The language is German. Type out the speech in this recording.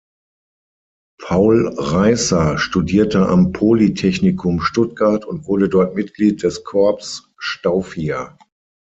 Paul Reißer studierte am Polytechnikum Stuttgart und wurde dort Mitglied des Corps Stauffia.